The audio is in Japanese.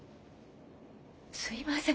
すいません。